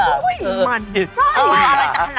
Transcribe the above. มันซ้อน